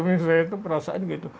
misalnya itu perasaan gitu